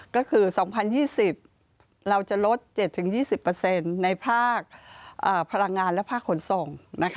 ก็คือ๒๐๒๐เราจะลด๗๒๐ในภาคพลังงานและภาคขนส่ง